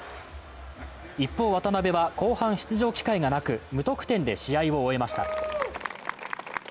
一方、渡邊は後半、出場機会がなく無得点で試合を終えました。